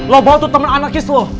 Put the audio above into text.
lo bawa tuh temen anakis lo